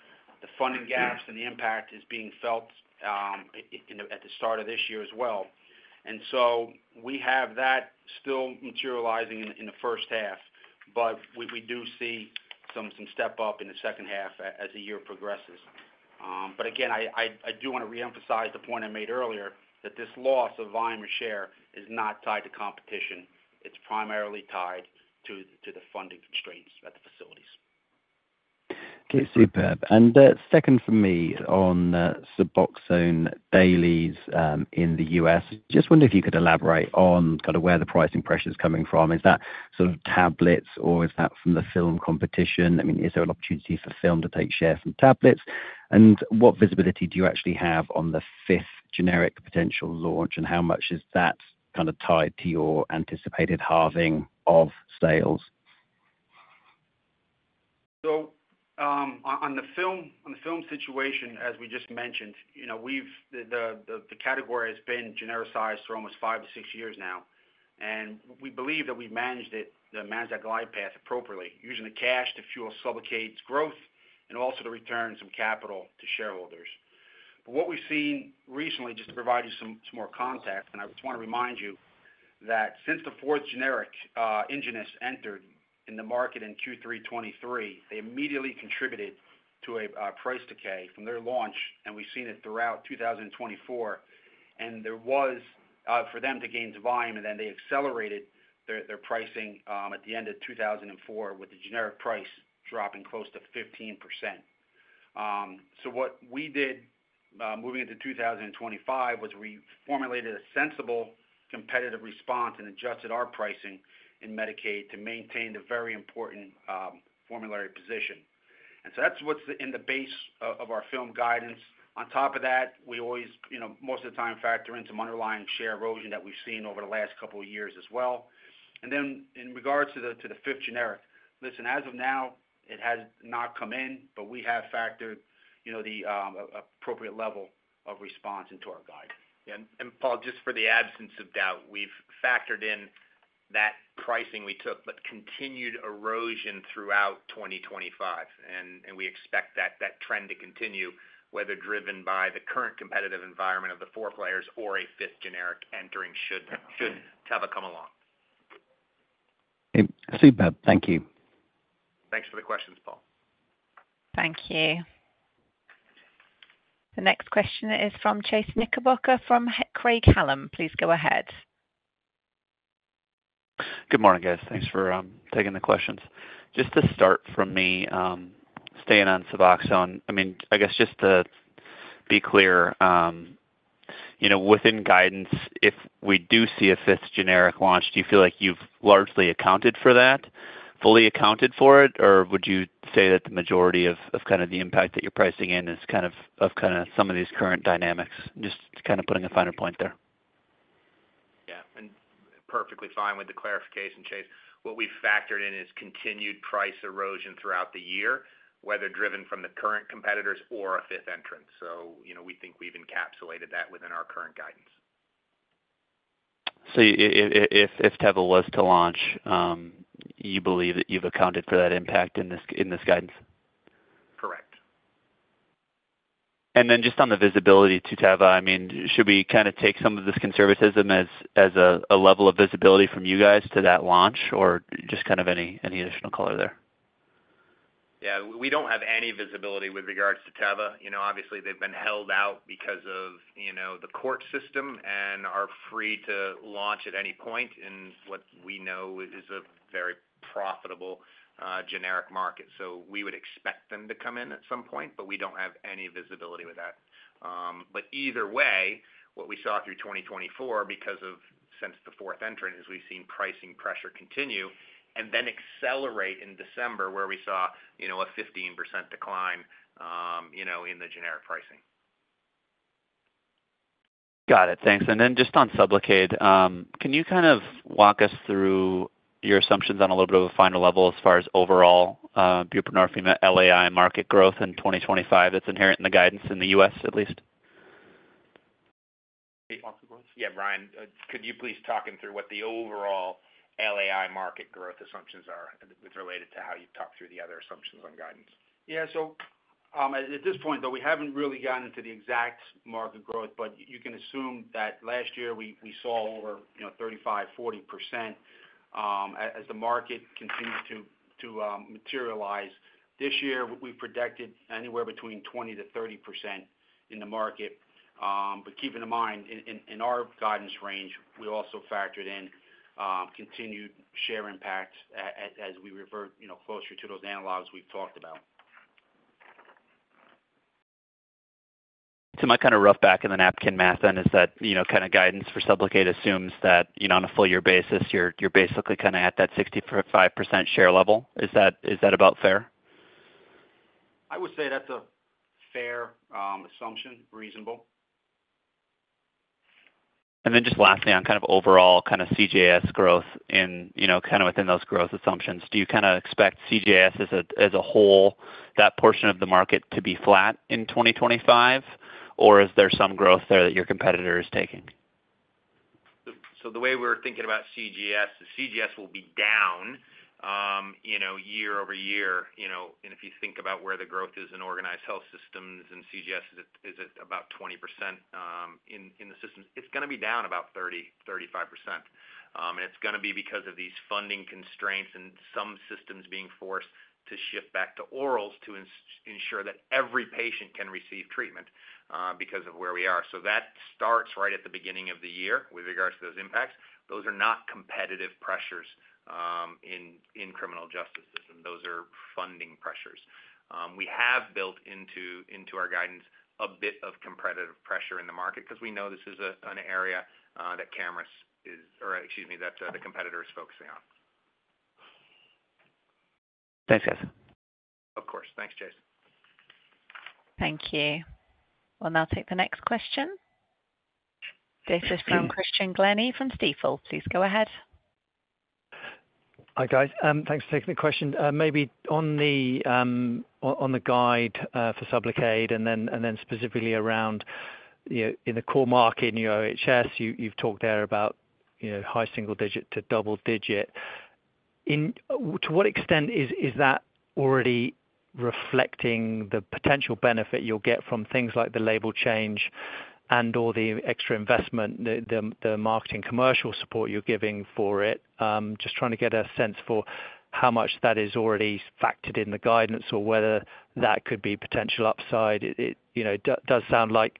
The funding gaps and the impact is being felt at the start of this year as well. And so we have that still materializing in the first half, but we do see some step-up in the second half as the year progresses. But again, I do want to reemphasize the point I made earlier that this loss of volume share is not tied to competition. It's primarily tied to the funding constraints at the facilities. And second for me on Suboxone dailies in the U.S., just wondering if you could elaborate on kind of where the pricing pressure is coming from. Is that sort of tablets, or is that from the film competition? I mean, is there an opportunity for film to take share from tablets? And what visibility do you actually have on the fifth generic potential launch, and how much is that kind of tied to your anticipated halving of sales? On the film situation, as we just mentioned, the category has been genericized for almost five to six years now. We believe that we've managed that glide path appropriately, using the cash to fuel Sublocade's growth and also to return some capital to shareholders. What we've seen recently, just to provide you some more context, and I just want to remind you that since the fourth generic Ingenus entered in the market in Q3 2023, they immediately contributed to a price decay from their launch, and we've seen it throughout 2024. There was, for them to gain some volume, and then they accelerated their pricing at the end of 2024 with the generic price dropping close to 15%. What we did moving into 2025 was we formulated a sensible competitive response and adjusted our pricing in Medicaid to maintain the very important formulary position. And so that's what's in the base of our film guidance. On top of that, we always, most of the time, factor in some underlying share erosion that we've seen over the last couple of years as well. And then in regards to the fifth generic, listen, as of now, it has not come in, but we have factored the appropriate level of response into our guide. Yeah, and Paul, just for the avoidance of doubt, we've factored in that pricing we took, but continued erosion throughout 2025, and we expect that trend to continue, whether driven by the current competitive environment of the four players or a fifth generic entering should Teva come along. Okay. Thank you. Thanks for the questions, Paul. Thank you. The next question is from Chase Knickerbocker from Craig-Hallum. Please go ahead. Good morning, guys. Thanks for taking the questions. Just to start from me, staying on Suboxone, I mean, I guess just to be clear, within guidance, if we do see a fifth generic launch, do you feel like you've largely accounted for that, fully accounted for it, or would you say that the majority of kind of the impact that you're pricing in is kind of of kind of some of these current dynamics? Just kind of putting a finer point there. Yeah. And perfectly fine with the clarification, Chase. What we've factored in is continued price erosion throughout the year, whether driven from the current competitors or a fifth entrant. So we think we've encapsulated that within our current guidance. If Teva was to launch, you believe that you've accounted for that impact in this guidance? Correct. Then just on the visibility to Teva, I mean, should we kind of take some of this conservatism as a level of visibility from you guys to that launch or just kind of any additional color there? Yeah. We don't have any visibility with regards to Teva. Obviously, they've been held out because of the court system and are free to launch at any point in what we know is a very profitable generic market. So we would expect them to come in at some point, but we don't have any visibility with that. But either way, what we saw through 2024, because of since the fourth entrant, is we've seen pricing pressure continue and then accelerate in December where we saw a 15% decline in the generic pricing. Got it. Thanks. And then just on Sublocade, can you kind of walk us through your assumptions on a little bit of a finer level as far as overall buprenorphine LAI market growth in 2025 that's inherent in the guidance in the U.S., at least? Yeah. Ryan, could you please talk him through what the overall LAI market growth assumptions are related to how you've talked through the other assumptions on guidance? Yeah. So at this point, though, we haven't really gotten into the exact market growth, but you can assume that last year we saw over 35%-40% as the market continued to materialize. This year, we've projected anywhere between 20%-30% in the market. But keeping in mind, in our guidance range, we also factored in continued share impact as we revert closer to those analogs we've talked about. So my kind of rough back-of-the-napkin math then is that kind of guidance for Sublocade assumes that on a full-year basis, you're basically kind of at that 65% share level. Is that about fair? I would say that's a fair assumption, reasonable. Just lastly, on kind of overall kind of CJS growth and kind of within those growth assumptions, do you kind of expect CJS as a whole, that portion of the market to be flat in 2025, or is there some growth there that your competitor is taking? So the way we're thinking about CJS, CJS will be down year-over-year. And if you think about where the growth is in Organized Health Systems and CJS, is it about 20% in the systems? It's going to be down about 30%-35%. And it's going to be because of these funding constraints and some systems being forced to shift back to orals to ensure that every patient can receive treatment because of where we are. So that starts right at the beginning of the year with regards to those impacts. Those are not competitive pressures in criminal justice system. Those are funding pressures. We have built into our guidance a bit of competitive pressure in the market because we know this is an area that Camurus is, or excuse me, that the competitor is focusing on. Thanks, guys. Of course. Thanks, Chase. Thank you. We'll now take the next question. This is from Christian Glennie from Stifel. Please go ahead. Hi, guys. Thanks for taking the question. Maybe on the guidance for Sublocade and then specifically around in the core market in your OHS, you've talked there about high single-digit to double-digit. To what extent is that already reflecting the potential benefit you'll get from things like the label change and/or the extra investment, the marketing commercial support you're giving for it? Just trying to get a sense for how much that is already factored in the guidance or whether that could be potential upside. It does sound like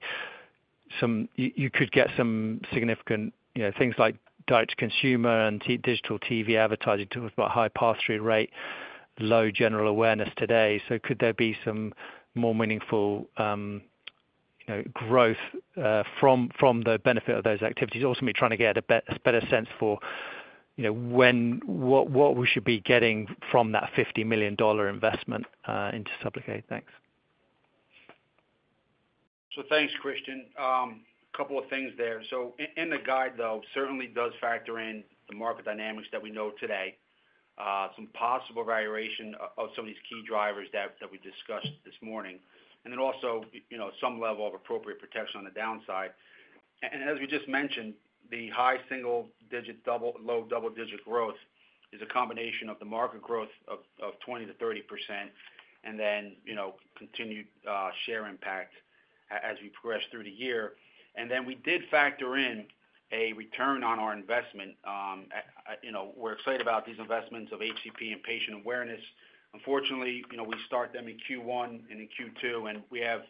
you could get some significant things like direct-to-consumer and digital TV advertising tools about high pass-through rate, low general awareness today. So could there be some more meaningful growth from the benefit of those activities? Also, we're trying to get a better sense for what we should be getting from that $50 million investment into Sublocade. Thanks. So thanks, Christian. A couple of things there. So in the guide, though, certainly does factor in the market dynamics that we know today, some possible evaluation of some of these key drivers that we discussed this morning, and then also some level of appropriate protection on the downside. And as we just mentioned, the high single digit, low double digit growth is a combination of the market growth of 20%-30% and then continued share impact as we progress through the year. And then we did factor in a return on our investment. We're excited about these investments of HCP and patient awareness. Unfortunately, we start them in Q1 and in Q2, and we have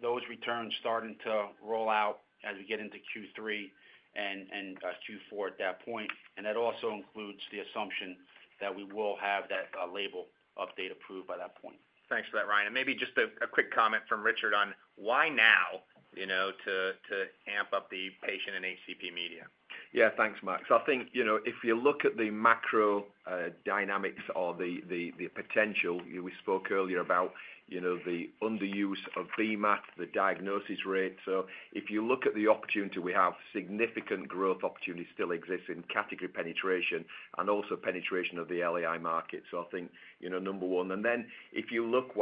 those returns starting to roll out as we get into Q3 and Q4 at that point. That also includes the assumption that we will have that label update approved by that point. Thanks for that, Ryan. And maybe just a quick comment from Richard on why now to amp up the patient and HCP media. Yeah. Thanks, Mark. So I think if you look at the macro dynamics or the potential, we spoke earlier about the underuse of BMAT, the diagnosis rate. So if you look at the opportunity, we have significant growth opportunity still exists in category penetration and also penetration of the LAI market. So I think number one. And then if you look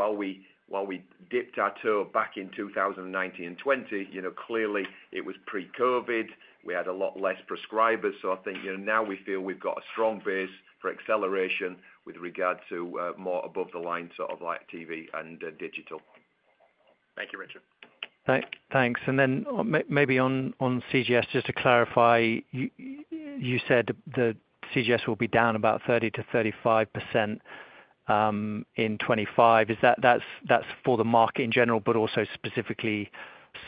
while we dipped our toe back in 2019 and 2020, clearly it was pre-COVID. We had a lot less prescribers. So I think now we feel we've got a strong base for acceleration with regards to more above-the-line sort of like TV and digital. Thank you, Richard. Thanks. And then maybe on CJS, just to clarify, you said the CJS will be down about 30%-35% in 2025. That's for the market in general, but also specifically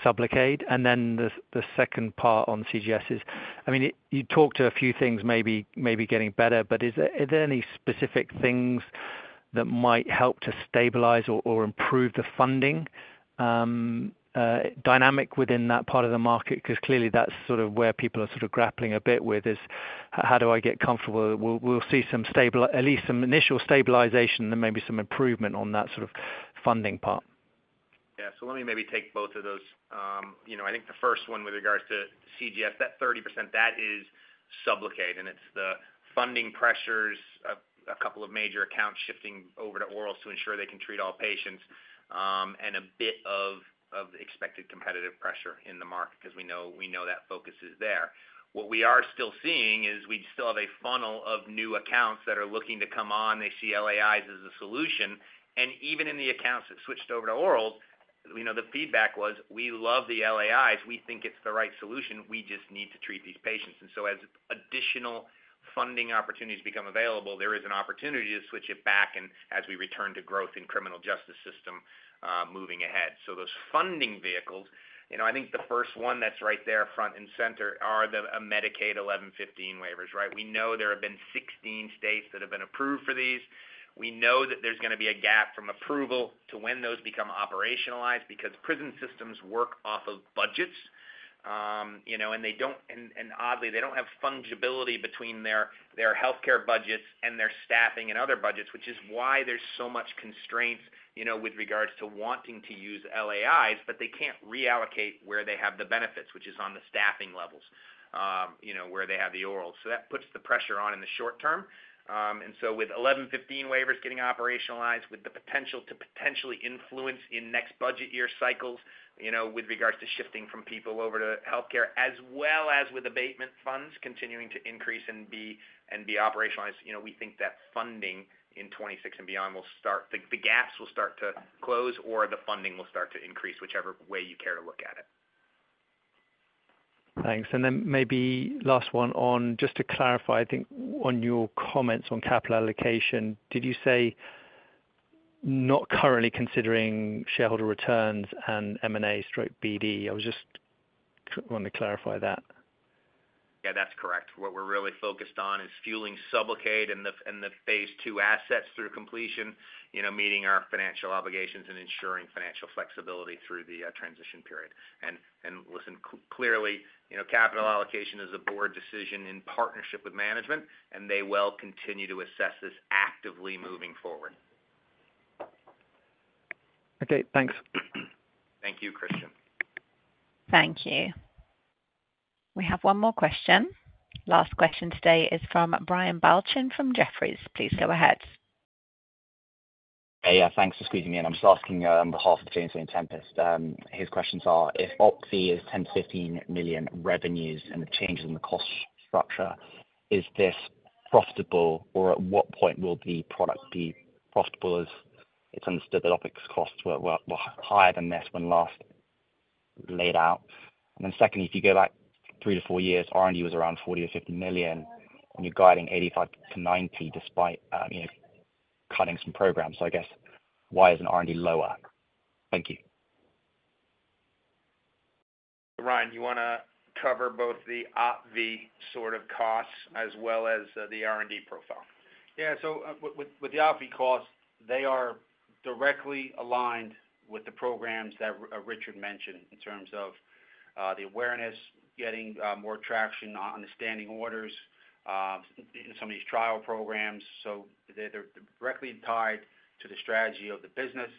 Sublocade. And then the second part on CJS is, I mean, you talked to a few things maybe getting better, but are there any specific things that might help to stabilize or improve the funding dynamic within that part of the market? Because clearly that's sort of where people are sort of grappling a bit with is, how do I get comfortable? We'll see at least some initial stabilization and then maybe some improvement on that sort of funding part. Yeah. So let me maybe take both of those. I think the first one with regards to CJS, that 30%, that is Sublocade, and it's the funding pressures, a couple of major accounts shifting over to orals to ensure they can treat all patients, and a bit of expected competitive pressure in the market because we know that focus is there. What we are still seeing is we still have a funnel of new accounts that are looking to come on. They see LAIs as a solution. Even in the accounts that switched over to orals, the feedback was, "We love the LAIs. We think it's the right solution. We just need to treat these patients." As additional funding opportunities become available, there is an opportunity to switch it back and as we return to growth in the criminal justice system moving ahead. So those funding vehicles, I think the first one that's right there front and center are the Medicaid 1115 waivers, right? We know there have been 16 states that have been approved for these. We know that there's going to be a gap from approval to when those become operationalized because prison systems work off of budgets. And oddly, they don't have fungibility between their healthcare budgets and their staffing and other budgets, which is why there's so much constraint with regards to wanting to use LAIs, but they can't reallocate where they have the benefits, which is on the staffing levels where they have the orals. So that puts the pressure on in the short term. And so, with 1115 waivers getting operationalized, with the potential to potentially influence in next budget year cycles with regards to shifting from people over to healthcare, as well as with Abatement Funds continuing to increase and be operationalized, we think that funding in 2026 and beyond, the gaps will start to close or the funding will start to increase, whichever way you care to look at it. Thanks. And then maybe last one on just to clarify, I think on your comments on capital allocation, did you say not currently considering shareholder returns and M&A/BD? I was just wanting to clarify that. Yeah, that's correct. What we're really focused on is fueling Sublocade and the phase II assets through completion, meeting our financial obligations and ensuring financial flexibility through the transition period. And listen, clearly, capital allocation is a board decision in partnership with management, and they will continue to assess this actively moving forward. Okay. Thanks. Thank you, Christian. Thank you. We have one more question. Last question today is from Brian Balchin from Jefferies. Please go ahead. Hey, yeah, thanks for squeezing me in. I'm just asking on behalf of James Vane-Tempest. His questions are if OPVEE is $10-15 million revenues and the changes in the cost structure, is this profitable or at what point will the product be profitable as it's understood that OPVEE's costs were higher than this when last laid out? And then secondly, if you go back 3-4 years, R&D was around $40-50 million, and you're guiding $85-90 million despite cutting some programs. So I guess, why isn't R&D lower? Thank you. Ryan, you want to cover both the OPVEE sort of costs as well as the R&D profile? Yeah. with the OPVEE costs, they are directly aligned with the programs that Richard mentioned in terms of the awareness, getting more traction on the standing orders, some of these trial programs. So they're directly tied to the strategy of the business.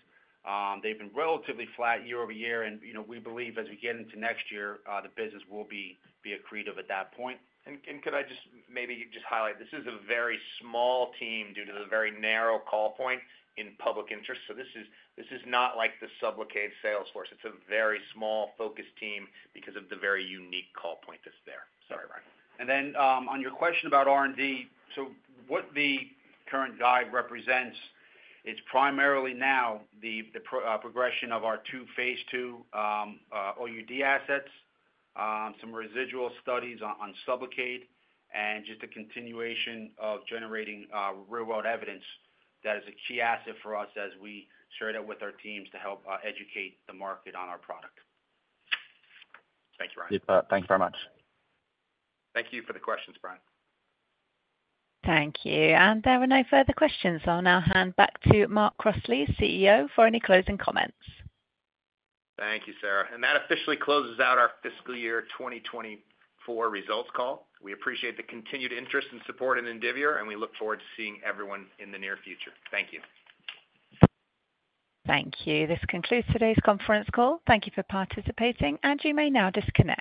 They've been relatively flat year-over-year, and we believe as we get into next year, the business will be accretive at that point. And could I just maybe just highlight this is a very small team due to the very narrow call point in public interest. So this is not like the Sublocade sales force. It's a very small focus team because of the very unique call point that's there. Sorry, Ryan. And then, on your question about R&D, so what the current guidance represents is primarily now the progression of our two phase II OUD assets, some residual studies on Sublocade, and just a continuation of generating real-world evidence that is a key asset for us as we staff up with our teams to help educate the market on our product. Thank you, Ryan. Thanks very much. Thank you for the questions, Brian. Thank you, and there were no further questions. I'll now hand back to Mark Crossley, CEO, for any closing comments. Thank you, Sarah. And that officially closes out our fiscal year 2024 results call. We appreciate the continued interest and support and Indivior, and we look forward to seeing everyone in the near future. Thank you. Thank you. This concludes today's conference call. Thank you for participating, and you may now disconnect.